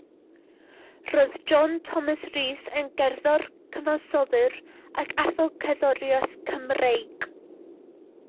Roedd John Thomas Rees yn gerddor, cyfansoddwr ac athro cerddoriaeth Cymreig.